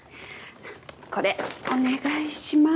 これお願いします。